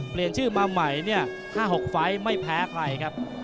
เปลี่ยนชื่อมาใหม่เนี่ยทั้ง๕๖ไฟร์สไม่แพ้ใครครับ